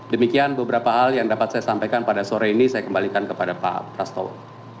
demikian beberapa hal yang dapat saya sampaikan pada sore ini saya kembalikan kepada pak prastowo